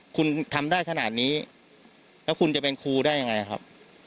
คุณทำได้ขนาดนี้แล้วคุณจะเป็นครูได้ยังไงครับ